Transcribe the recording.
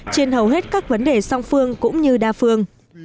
trên hầu hết các vấn đề song phương cũng như đa phương